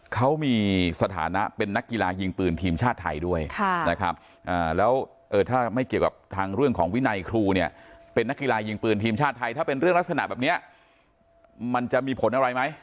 เขามีสถานะเป็นนักกีฬายิงปืนทีมชาติไทยด้วยนะครับแล้วถ้าไม่เกี่ยวกับทางเรื่องของวินัยครูเนี่ยเป็นนักกีฬายิงปืนทีมชาติไทยถ้าเป็นเรื่องลักษณะแบบนี้มันจะมีผลอะไรไหม